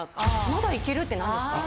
まだいけるって何ですか？